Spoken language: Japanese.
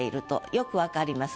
よくわかります。